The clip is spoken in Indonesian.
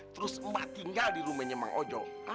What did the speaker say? terus mbak tinggal di rumahnya mang ojo